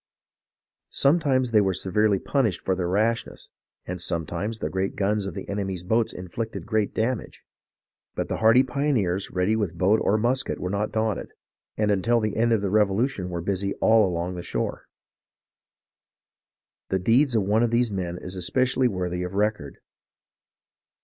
Sometimes they were severely punished for their rashness, and sometimes the great guns of the enemy's boats inflicted great damage ; but the hardy pioneers, ready with boat or musket, were not daunted, and until the end of the Revolution were busy all along the shore. The deeds of one of these men is especially worthy of record.